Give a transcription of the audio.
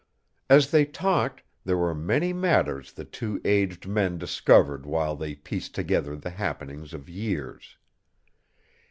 As they talked there were many matters the two aged men discovered while they pieced together the happenings of years.